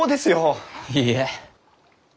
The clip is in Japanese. いいえ。